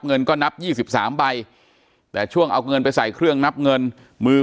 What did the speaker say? เงินก็นับ๒๓ใบแต่ช่วงเอาเงินไปใส่เครื่องนับเงินมือ